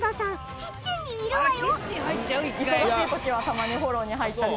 キッチンにいるわよ！